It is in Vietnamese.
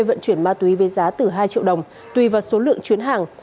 vận chuyển ma túy với giá từ hai triệu đồng tùy vào số lượng chuyến hàng